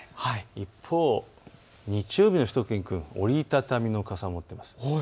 一方、日曜日のしゅと犬くん折り畳みの傘を持っています。